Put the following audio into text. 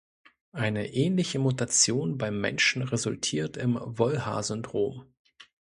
Eine ähnliche Mutation beim Menschen resultiert im Wollhaar-Syndrom.